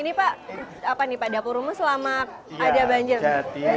ini pak coba nih dapur umum selama ada banjirnya